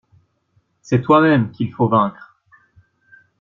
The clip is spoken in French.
C'est toi-même qu'il faut vaincre